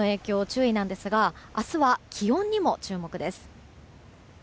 注意なんですが明日は気温にも注目です。